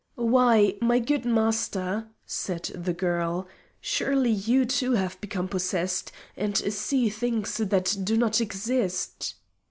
"Why, my good Master," said the girl, "surely you, too, have become possessed, and see things that do not exist."